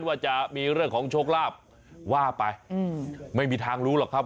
ว่าจะมีเรื่องของโชคลาภว่าไปไม่มีทางรู้หรอกครับ